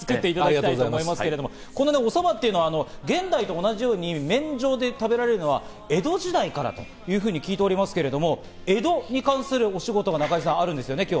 おそばっていうのは現代と同じように麺状で食べられるのは江戸時代からというふうに聞いておりますけれども、江戸に関するお仕事が中井さん、あるんですよね？